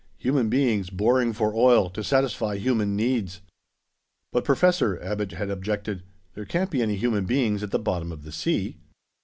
Human beings, boring for oil, to satisfy human needs." "But, Professor," Abbot had objected, "there can't be any human beings at the bottom of the sea!"